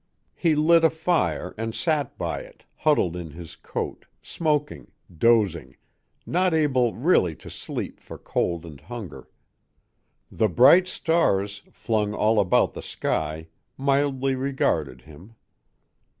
He lit a fire and sat by it, huddled in his coat, smoking, dozing, not able really to sleep for cold and hunger. The bright stars, flung all about the sky, mildly regarded hum.